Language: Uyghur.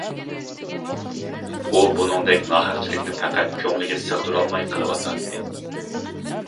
ئۇ بۇنىڭدەك ناھەقچىلىكنى پەقەت كۆڭلىگە سىغدۇرالماي قېلىۋاتاتتى.